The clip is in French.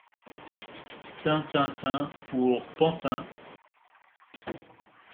Tin tin tinPour Pantin.